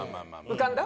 浮かんだ？